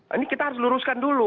ini kita harus luruskan dulu